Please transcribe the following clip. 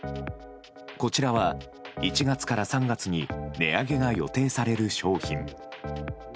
こちらは１月から３月に値上げが予定される商品。